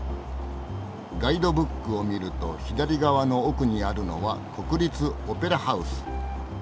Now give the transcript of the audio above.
ガイドブックを見ると左側の奥にあるのは国立オペラハウス。